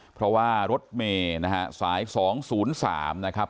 เพราะว่ารถเมฆนะฮะสายสองศูนย์สามนะครับ